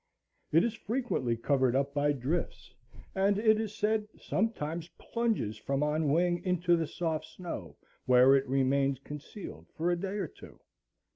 It is frequently covered up by drifts, and, it is said, "sometimes plunges from on wing into the soft snow, where it remains concealed for a day or two."